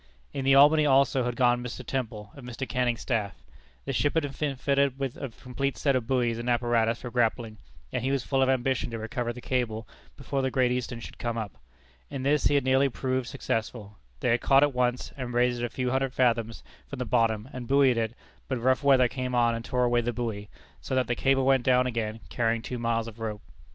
In the Albany, also, had gone Mr. Temple, of Mr. Canning's staff. The ship had been fitted up with a complete set of buoys and apparatus for grappling; and he was full of ambition to recover the cable before the Great Eastern should come up. In this he had nearly proved successful. They had caught it once, and raised it a few hundred fathoms from the bottom, and buoyed it, but rough weather came on and tore away the buoy, so that the cable went down again, carrying two miles of rope.